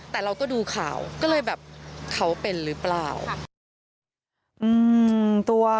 แต่เราก็ดูข่าวก็เลยแบบเขาเป็นหรือเปล่า